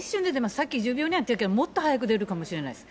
さっき１０秒って言ってたけど、もっと早く出るかもしれないです。